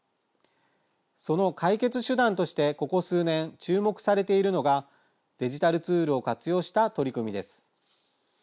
その解決手段としてここ数年、注目されているのがデジタルツールを活用した取り組みです。